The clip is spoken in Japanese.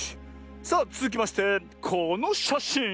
さあつづきましてこのしゃしん。